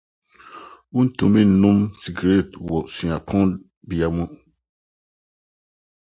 Wuntumi nnom sigaret wɔ sukuu mu.